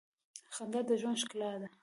• خندا د ژوند ښکلا ده.